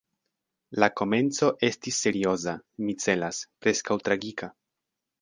La komenco estis serioza, mi celas – preskaŭ tragika.